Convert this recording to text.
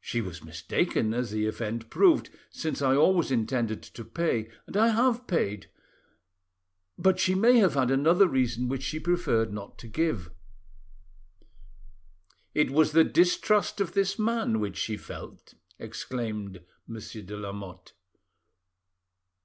She was mistaken, as the event proved, since I always intended to pay, and I have paid. But she may have had another reason which she preferred not to give." "It was the distrust of this man which she felt," exclaimed Monsieur de Lamotte.